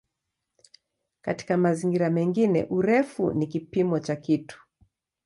Katika mazingira mengine "urefu" ni kipimo cha kitu.